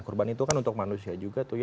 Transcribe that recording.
kurban itu kan untuk manusia juga tuh ya